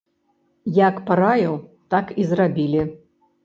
Як параіў, так і зрабілі.